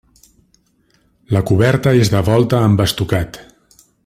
La coberta és de volta amb estucat.